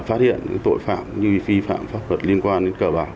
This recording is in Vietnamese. cấp ủy chính quyền phát hiện tội phạm như phi phạm pháp luật liên quan đến cờ bạc